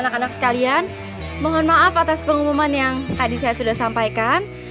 anak anak sekalian mohon maaf atas pengumuman yang tadi saya sudah sampaikan